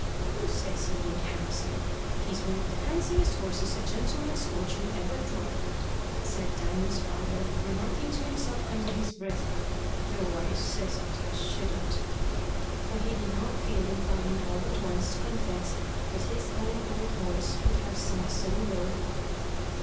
"Who says he ain't handsome? He's one of the handsomest horses a gentleman's coachman ever druv," said Diamond's father; remarking to himself under his breath "though I says it as shouldn't" for he did not feel inclined all at once to confess that his own old horse could have sunk so low.